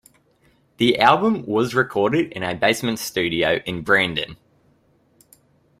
The album was recorded in a basement studio in Brandon.